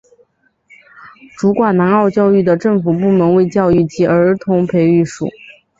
主管南澳教育的政府部门为教育及儿童培育署。